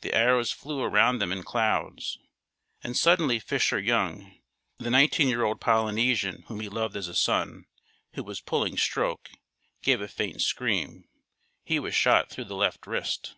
The arrows flew around them in clouds, and suddenly Fisher Young the nineteen year old Polynesian whom he loved as a son who was pulling stroke, gave a faint scream. He was shot through the left wrist.